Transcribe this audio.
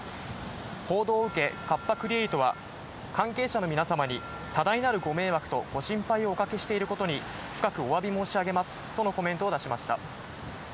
報道を受け、カッパ・クリエイトは、関係者の皆様に多大なるご迷惑とご心配をおかけしていることに、深くおわび申し上げますとのコメントを出しました。